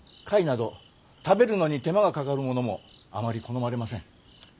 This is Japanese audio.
貝など食べるのに手間がかかるものもあまり好まれません。